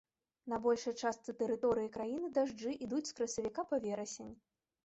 На большай частцы тэрыторыі краіны дажджы ідуць з красавіка па верасень.